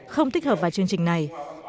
không thích hợp với chương trình này